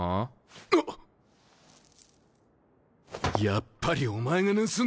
やっぱりお前が盗んでたのか！